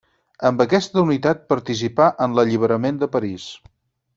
Amb aquesta unitat participà en l'alliberament de París.